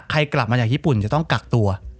กลับมาจากญี่ปุ่นจะต้องกักตัว